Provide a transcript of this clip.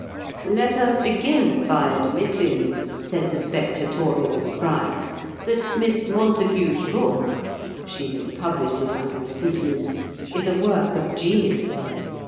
"Let us begin by admitting," said the Spectatorial scribe, "that Miss Montague's book" (she had published it under a pseudonym) "is a work of genius.